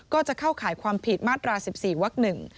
ก็จะเข้าข่ายความผิดมาตรา๑๔วัก๑